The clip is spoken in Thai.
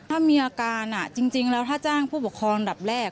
ถ้ามีอาการจริงแล้วถ้าจ้างผู้ปกครองอันดับแรก